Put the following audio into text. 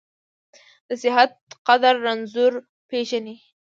د صحت قدر رنځور پېژني .